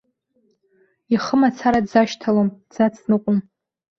Ихы мацара дзашьҭалом, дзацныҟәом.